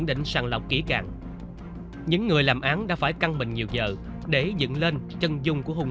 lên sàn lọc kỹ càng những người làm án đã phải căng bình nhiều giờ để dựng lên chân dung của hung